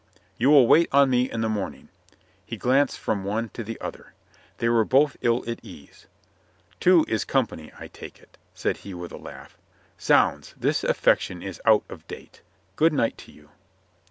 You will wait on me in the morning." He glanced from one to the other. They were both ill at ease. "Two is company, I take it," said he with a laugh. "Zounds ! this affection is out of date. Good night to you."